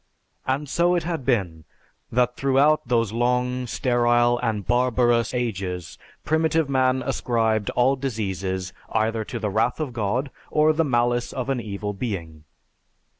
And so it had been that throughout those long, sterile, and barbarous ages primitive man ascribed all diseases either to the wrath of God, or the malice of an Evil Being.